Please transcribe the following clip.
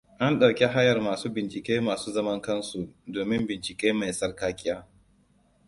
An ɗauki hayar masu bincike masu zaman kansu, domin bincike mai sarƙaƙiya.